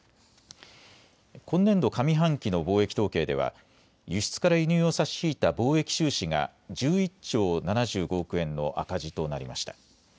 今年度上半期の貿易統計では輸出から輸入を差し引いた貿易収支が１１兆７５億円の赤字となりました。